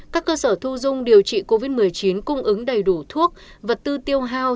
các cơ sở thu dung điều trị covid một mươi chín cung ứng đầy đủ thuốc vật tư tiêu hao